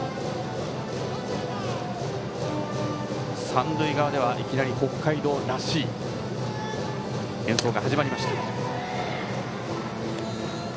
三塁側ではいきなり北海道らしい演奏が始まりました。